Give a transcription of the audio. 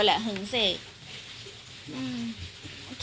แต่ล่าสุดก็โทษนะคะ